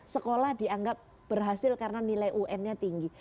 sekolah dianggap berhasil karena nilai un nya tinggi